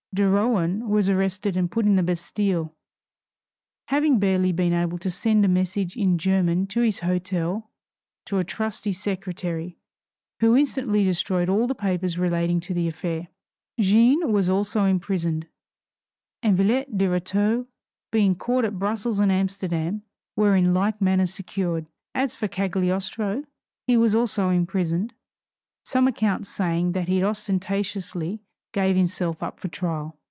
De Rohan was arrested and put in the Bastile, having barely been able to send a message in German to his hotel to a trusty secretary, who instantly destroyed all the papers relating to the affair. Jeanne was also imprisoned, and Miss Gay d'Oliva and Villette de Rétaux, being caught at Brussels and Amsterdam, were in like manner secured. As for Cagliostro, he was also imprisoned, some accounts saying that he ostentatiously gave himself up for trial.